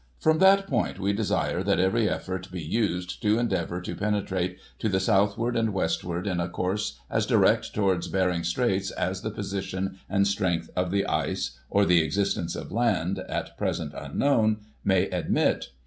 From that point we desire that every effort be used to endea vour to penetrate to the southward and westward, in a course as direct towards Behring's Straits as the position and strength of the ice, or the existence of land, at present unknown, may admit.